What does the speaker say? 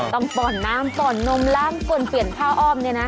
ต้องป่อนน้ำป่อนนมล้างกวนเปลี่ยนผ้าอ้อม